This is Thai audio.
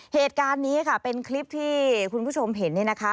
เหตุการณ์นี้ค่ะเป็นคลิปที่คุณผู้ชมเห็นเนี่ยนะคะ